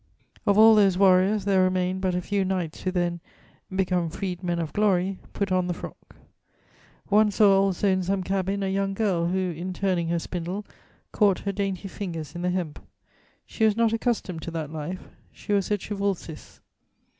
'" "Of all those warriors there remained but a few knights who then, become freed men of glory, put on the frock. "One saw also in some cabin a young girl who, in turning her spindle, caught her dainty fingers in the hemp; she was not accustomed to that life: she was a Trivulzis.